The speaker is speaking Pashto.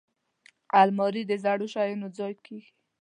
الماري د زړو شیانو ځای کېږي